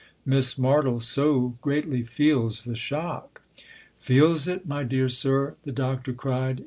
"Miss Martle so greatly feels the shock ?""' Feels ' it, my dear sir ?" the Doctor cried.